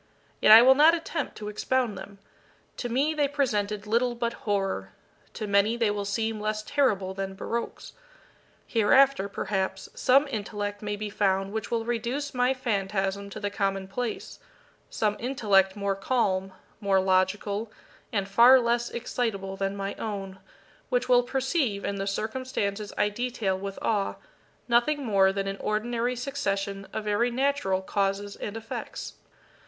Yet I will not attempt to expound them. To me they presented little but horror to many they will seem less terrible than baroques. Hereafter, perhaps, some intellect may be found which will reduce my phantasm to the commonplace some intellect more calm, more logical, and far less excitable than my own, which will perceive, in the circumstances I detail with awe, nothing more than an ordinary succession of very natural causes and effects.